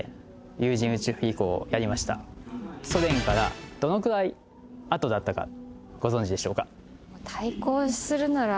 ソ連からどのくらい後だったかご存じでしょうか？